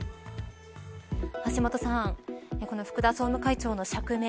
橋下さんこの福田総務会長の釈明。